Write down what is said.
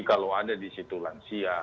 kalau ada di situ lansia